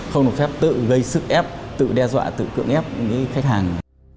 không được phép tự gây sức ép tự đe dọa tự cưỡng ép khách hàng